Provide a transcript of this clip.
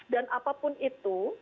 dan apapun itu